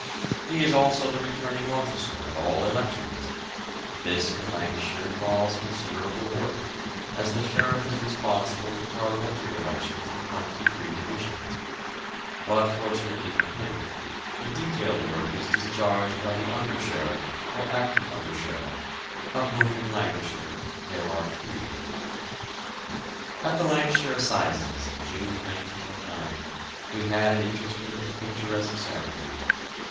He is also the returning officer at all elections; this in Lancashire involves considerable work, as the sheriff is responsible for parliamentary elections in twenty three divisions, but fortunately for him, the detail work is discharged by the under sheriff or acting under sheriff, of whom in Lancashire there are three. At the Lancaster Assizes in June, 1909, we had an interesting and picturesque ceremony.